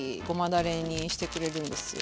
だれにしてくれるんですよ。